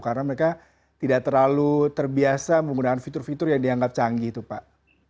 karena mereka tidak terlalu terbiasa menggunakan fitur fitur yang dianggap canggih itu pak